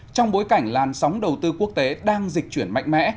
trong bối cảnh làn sóng đầu tư quốc tế đang dịch chuyển mạnh mẽ